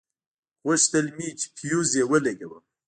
غوښتل مې چې فيوز يې ولګوم.